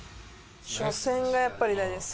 初戦がやっぱり大事です。